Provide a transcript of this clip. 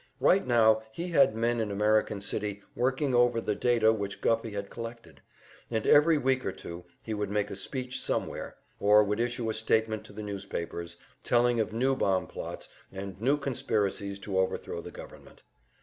Right now he had men in American City working over the data which Guffey had collected, and every week or two he would make a speech somewhere, or would issue a statement to the newspapers, telling of new bomb plots and new conspiracies to overthrow the government.